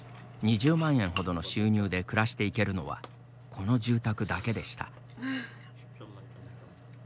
２０万円ほどの収入で暮らしていけるのはこの住宅だけでした。